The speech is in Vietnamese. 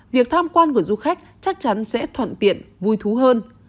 việc tham quan của du khách chắc chắn sẽ thuận tiện vui thú hơn